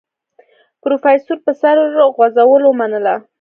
پروفيسر په سر خوځولو ومنله.